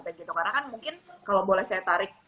karena kan mungkin kalau boleh saya tarik